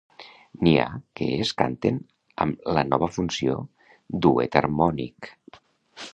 N'hi ha que es canten amb la nova funció duet harmònic.